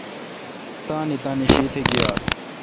تانی تانی شی تہ گییال۔